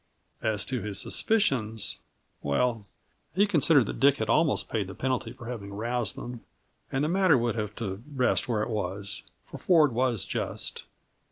As to his suspicions well, he considered that Dick had almost paid the penalty for having roused them, and the matter would have to rest where it was; for Ford was just.